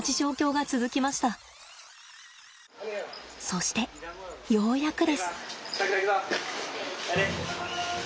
そしてようやくです。